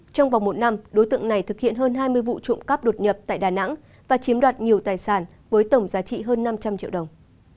trong vòng một năm đối tượng này thực hiện hơn hai mươi vụ trộm cắp đột nhập tại đà nẵng và chiếm đoạt nhiều tài sản với tổng giá trị hơn năm trăm linh triệu đồng